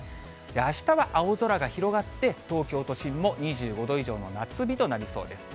あしたは青空が広がって、東京都心も２５度以上の夏日となりそうです。